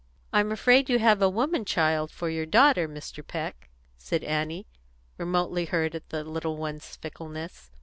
"I'm afraid you have a woman child for your daughter, Mr. Peck," said Annie, remotely hurt at the little one's fickleness.